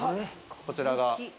こちらが。